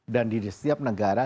dan di setiap negara